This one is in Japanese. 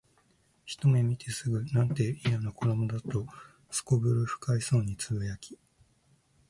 ひとめ見てすぐ、「なんて、いやな子供だ」と頗る不快そうに呟き、